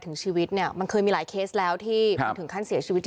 ถึงชีวิตเนี่ยมันเคยมีหลายเคสแล้วที่มันถึงขั้นเสียชีวิต